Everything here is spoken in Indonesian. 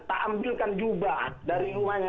tak ambilkan jubah dari rumahnya